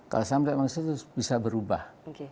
kalau sampai manusia itu bisa berubah